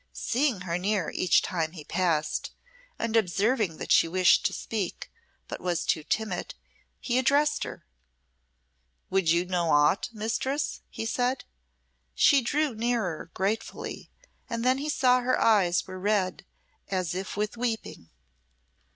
Seeing her near each time he passed, and observing that she wished to speak, but was too timid, he addressed her "Would you know aught, mistress?" he said. She drew nearer gratefully, and then he saw her eyes were red as if with weeping.